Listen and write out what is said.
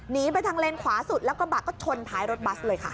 หนีไปทางเลนขวาสุดแล้วกระบะก็ชนท้ายรถบัสเลยค่ะ